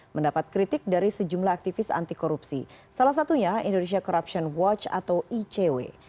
mendapat kritik dari sejumlah aktivis anti korupsi salah satunya indonesia corruption watch atau icw